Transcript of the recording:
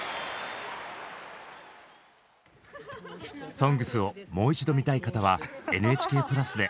「ＳＯＮＧＳ」をもう一度見たい方はＮＨＫプラスで！